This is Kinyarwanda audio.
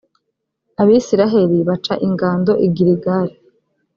abayisraheli baca ingando i giligali,